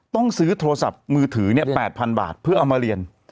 ต้องซื้อโทรศัพท์มือถือ๘๐๐๐บาทเพื่อเอามาเรียน